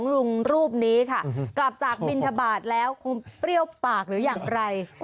ลุงรูปนี้ค่ะกลับจากบินทบาทแล้วคงเปรี้ยวปากหรืออย่างไร